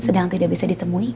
sedang tidak bisa ditemui